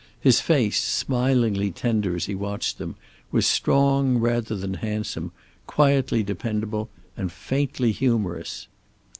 His face, smilingly tender as he watched them, was strong rather than handsome, quietly dependable and faintly humorous.